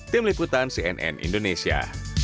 tim liputan cnn indonesia